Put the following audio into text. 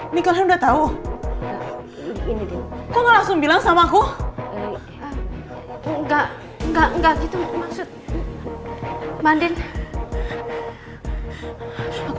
ini kalian udah tahu ini dia kok langsung bilang sama aku enggak enggak enggak gitu maksud mandin